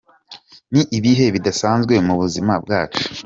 Ni ibihe bidasanzwe mu buzima bwacu.